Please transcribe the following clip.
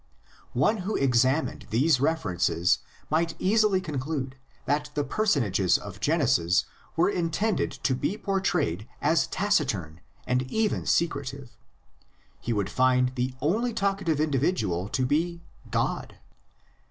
One who examined these references might easily conclude that the person ages of Genesis were intended to be portrayed as taciturn and even secretive; he would find the only talkative individual to be — God.